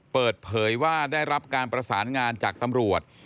เปิดเผยว่าได้รับการประสานงานจากตำรวจ